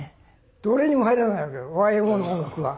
どれにも入らないわけよＹＭＯの音楽は。